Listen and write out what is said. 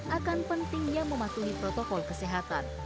akan pentingnya mematuhi protokol kesehatan